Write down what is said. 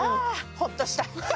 ほっとした。